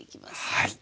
はい。